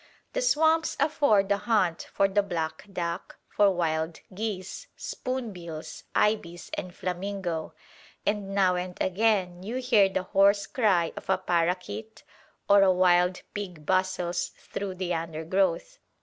The swamps afford a haunt for the black duck, for wild geese, spoonbills, ibis and flamingo; and now and again you hear the hoarse cry of a parakeet, or a wild pig bustles through the undergrowth.